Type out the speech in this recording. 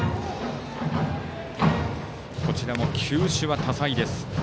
こちらも球種は多彩です。